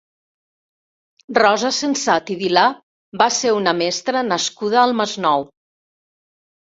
Rosa Sensat i Vilà va ser una mestra nascuda al Masnou.